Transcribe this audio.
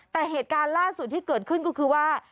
แต่เหตุการณ์ล่าสุดที่เกิดขึ้นก็คือว่า